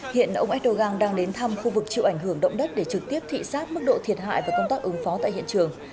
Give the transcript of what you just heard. hiện ông erdogan đang đến thăm khu vực chịu ảnh hưởng động đất để trực tiếp thị xác mức độ thiệt hại và công tác ứng phó tại hiện trường